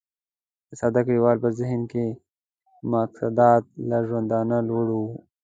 د ساده کليوال په ذهن کې مقدسات له ژوندانه لوړ وو.